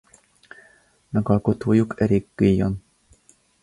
Megalkotójuk Eric Guillon.